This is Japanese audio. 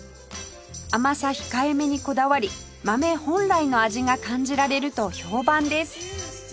甘さ控えめにこだわり豆本来の味が感じられると評判です